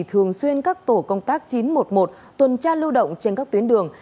thường xuyên các tổ công tác chín trăm một mươi một tuần tra lưu động trên các tuyến đường